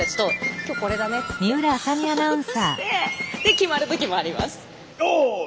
決まる時もあります。